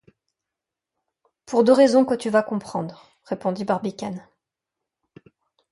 Pour deux raisons que tu vas comprendre, répondit Barbicane.